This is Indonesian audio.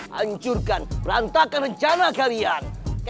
hancurkan perantakan rencana kalian